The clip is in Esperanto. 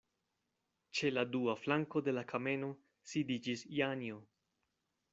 Ĉe la dua flanko de la kameno sidiĝis Janjo.